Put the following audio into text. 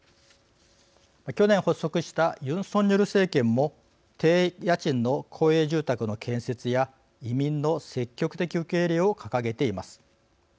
去年、発足したユン・ソンニョル政権も低家賃の公営住宅の建設や移民の積極的受け入れを掲げています。